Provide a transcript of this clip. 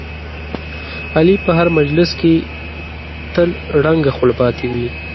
علي په هر مجلس کې تل ړنګه خوله پاتې وي.